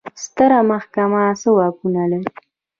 ستره محکمه څه واکونه لري؟